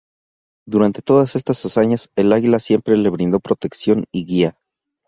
Durante todas estas hazañas, el águila siempre le brindó protección y guía.